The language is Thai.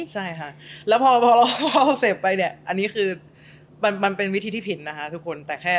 ใช่แล้วเพราะเขาเสพไปเนี่ยอันนี้คือมันเป็นวิธีติผินนะคะทุกคนแปบแห่ง